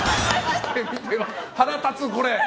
腹立つ、これ。